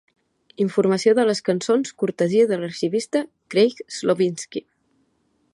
Informació de les cançons cortesia de l'arxivista Craig Slowinski.